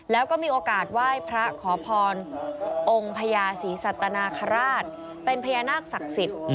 แล้วก็มีโอกาสไหว้พระขอพรองค์พญาศรีสัตนาคาราชเป็นพญานาคศักดิ์สิทธิ์